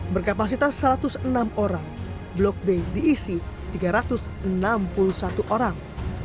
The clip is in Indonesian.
berkapasitas satu ratus enam orang blok b diisi tiga ratus enam puluh satu orang